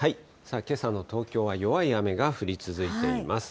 けさの東京は弱い雨が降り続いています。